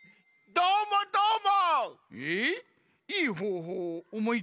どーもどーも！